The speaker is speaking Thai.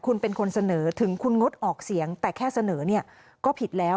คุณเป็นคนเสนอถึงคุณงดออกเสียงแต่แค่เสนอเนี่ยก็ผิดแล้ว